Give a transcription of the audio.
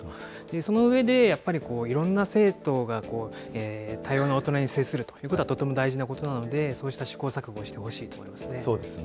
その上で、やっぱりいろんな生徒が多様な大人に接するということはとっても大事なことなので、そうした試行錯誤をしてほしいなとそうですね。